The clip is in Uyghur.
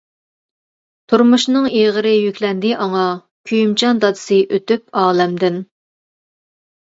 تۇرمۇشنىڭ ئېغىرى يۈكلەندى ئاڭا، كۆيۈمچان دادىسى ئۆتۈپ ئالەمدىن.